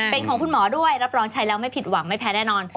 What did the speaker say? เป็นของคุณหมอด้วยรับรองใช้แล้วไม่ผิดหวังไม่แพ้แน่นอน